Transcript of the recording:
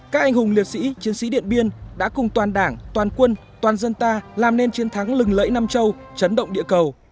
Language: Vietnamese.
các anh hùng liệt sĩ chiến sĩ điện biên đã cùng toàn đảng toàn quân toàn dân ta làm nên chiến thắng lừng lẫy nam châu chấn động địa cầu